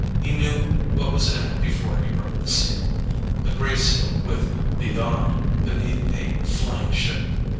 He knew what was in it before he broke the seal—a grey seal with BEYOND! beneath a flying ship.